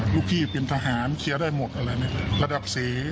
ลูกพี่เป็นทหารเคลียร์ได้หมดละดับ๔